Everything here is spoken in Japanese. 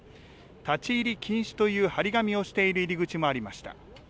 立ち入り禁止という貼り紙をしている入り口もありました。